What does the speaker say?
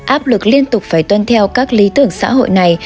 áp lực liên tục phải tuân theo các lý tưởng xã hội này